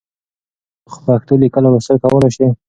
آیا ته په پښتو لیکل او لوستل کولای شې؟